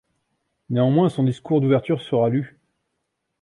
Néanmoins son discours d'ouverture sera lu.